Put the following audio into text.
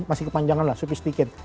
masih kepanjangan lah sepi sedikit